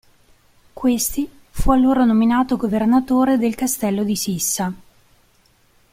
Questi fu allora nominato "governatore del castello di Sissa".